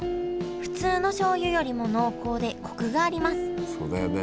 普通の醤油よりも濃厚でコクがあります。